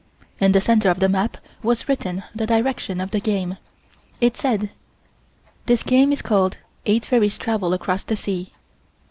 In the center of the map was written the direction of the game. It said: "This game is called the 'Eight Fairies Travel across the Sea.'